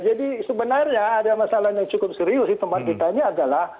jadi sebenarnya ada masalah yang cukup serius di tempat kita ini adalah